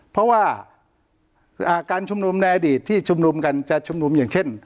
เพราะว่าการชุมนุมในอดีตที่ชุมนุมกันจะชุมนุมอย่างเช่น